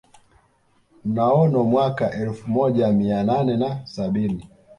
Mnaono mwaka elfu moja mia nane na sabini